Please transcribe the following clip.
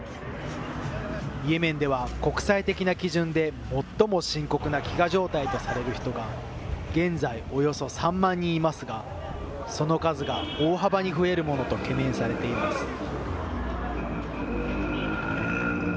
イエメンでは国際的な基準で最も深刻な飢餓状態とされる人が現在およそ３万人いますがその数が大幅に増えるものと懸念されています。